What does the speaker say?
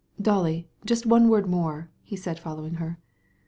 "Dolly, one word more," he said, following her.